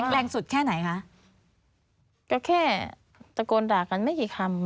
แรงสุดแค่ไหนคะก็แค่ตะโกนด่ากันไม่กี่คำ